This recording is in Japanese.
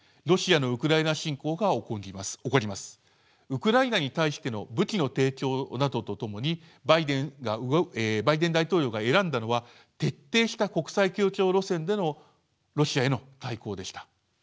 ウクライナに対しての武器の提供などとともにバイデン大統領が選んだのは徹底した国際協調路線でのロシアへの対抗でした。